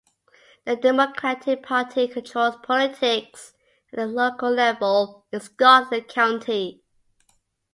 The Democratic Party controls politics at the local level in Scotland County.